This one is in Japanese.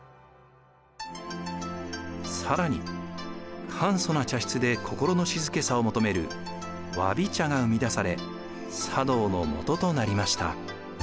更に簡素な茶室で心の静けさを求めるわび茶が生み出され茶道のもととなりました。